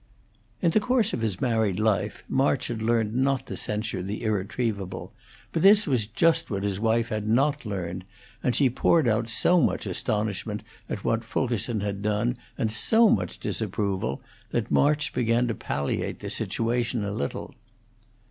In the course of his married life March had learned not to censure the irretrievable; but this was just what his wife had not learned; and she poured out so much astonishment at what Fulkerson had done, and so much disapproval, that March began to palliate the situation a little.